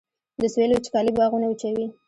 د سویل وچکالي باغونه وچوي